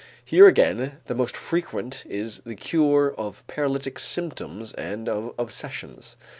Here again the most frequent is the cure of paralytic symptoms and of obsessions.